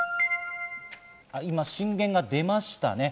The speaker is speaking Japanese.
今、震源が出ました。